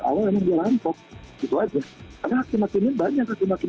awal memang dia rampok itu aja karena hakim hakim ini banyak hakim hakim